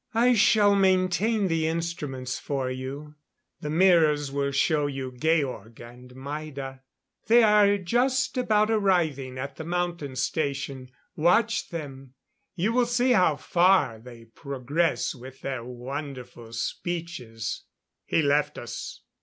"I shall maintain the instruments for you. The mirrors will show you Georg and Maida. They are just about arriving at the Mountain Station. Watch them! You will see how far they progress with their wonderful speeches." He left us.